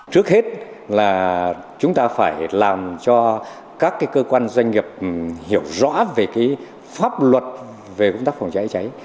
trước hết là chúng ta phải làm cho các cơ quan doanh nghiệp hiểu rõ về pháp luật về công tác phòng cháy cháy